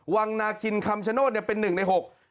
วังนาคินคำชโนธเนี่ยเป็นหนึ่งในหก